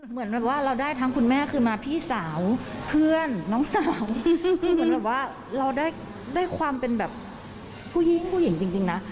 เหมือนแบบว่าเราได้ทั้งคุณแม่คือมาพี่สาวเพื่อนน้องสาวที่เหมือนแบบว่าเราได้ความเป็นแบบผู้หญิงผู้หญิงจริงนะ